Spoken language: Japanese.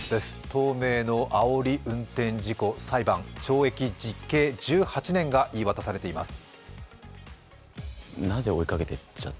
東名のあおり運転事故裁判懲役実刑１８年が言い渡されています。